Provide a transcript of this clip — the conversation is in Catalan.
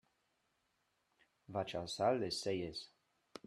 Vaig alçar les celles.